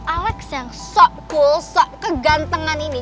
alex yang sok cool sok kegantengan ini